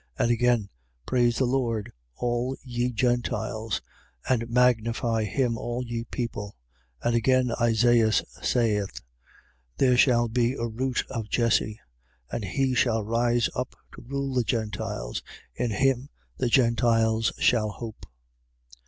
15:11. And again: praise the Lord, all ye Gentiles: and magnify him, all ye people. 15:12. And again, Isaias saith: There shall be a root of Jesse; and he that shall rise up to rule the Gentiles, in him the Gentiles shall hope.